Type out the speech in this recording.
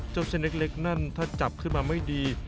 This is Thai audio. เส้นเล็กนั่นถ้าจับขึ้นมาไม่ดี